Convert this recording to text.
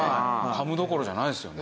噛むどころじゃないですよね。